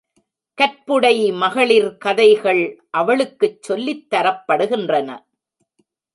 கற்புடை மகளிர் கதைகள் அவளுக்குச் சொல்லித் தரப்படுகின்றன.